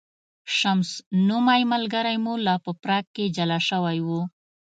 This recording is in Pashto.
شمس نومی ملګری مو لا په پراګ کې جلا شوی و.